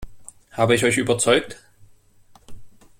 Habe ich euch überzeugt?